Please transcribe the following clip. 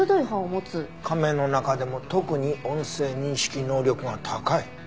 「亀の中でも特に音声認識能力が高い」。